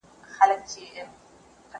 زه مخکې منډه وهلې وه!!